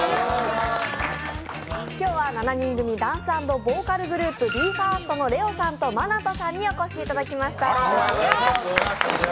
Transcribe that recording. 今日は７人組ダンス＆ボーカルグループＢＥ：ＦＩＲＳＴのＬＥＯさんとＭＡＮＡＴＯさんにお越しいただきました。